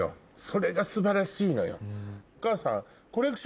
それが素晴らしいのよ。